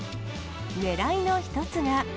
ねらいの一つが。